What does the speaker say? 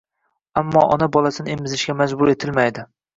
Ammo ona bolasini emizishga majbur etilmaydi.